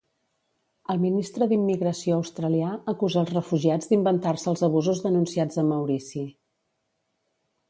El ministre d'Immigració australià acusa els refugiats d'inventar-se els abusos denunciats a Maurici.